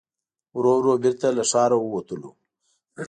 ورو ورو بېرته له ښاره ووتلو.